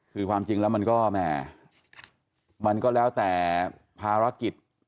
คือความจริงแล้วมันก็แหม่มันก็แล้วแต่ภารกิจ